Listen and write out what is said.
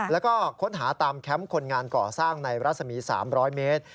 แล้วก็ค้นหาตามแคมป์คนงานก่อสร้างในรัศมี๓๐๐เมตร